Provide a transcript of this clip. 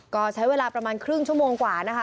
ก็ใช้เวลาประมาณครึ่งชั่วโมงกว่านะคะ